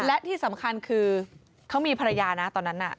และที่สำคัญคือเขามีภรรยานะตอนนั้นน่ะ